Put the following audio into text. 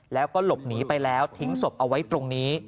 แล้วก็หลบหนีไปแล้วทิ้งศพเอาไว้ตรงนี้